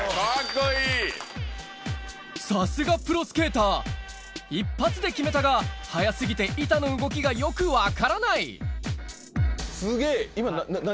さすがプロスケーター一発で決めたが速過ぎて板の動きがよく分からないすげぇ！